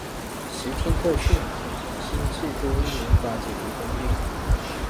十天特訓！新制多益文法解題攻略